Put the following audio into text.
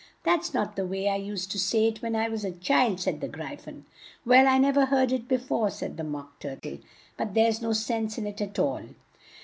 "That's not the way I used to say it when I was a child," said the Gry phon. "Well, I never heard it before," said the Mock Tur tle, "but there's no sense in it at all."